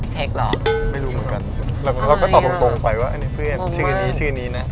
ชื่อชื่อนี้น่ะ